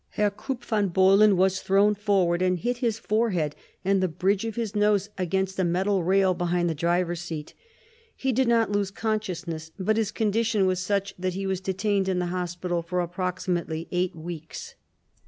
Herr Krupp von Bohlen was thrown forward, and hit his forehead and the bridge of the nose against a metal rail behind the driver's seat. He did not lose consciousness, but his condition was such that he was detained in the hospital for approximately eight weeks.